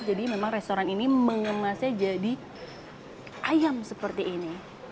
jadi memang restoran ini mengemasnya jadi ayam seperti ini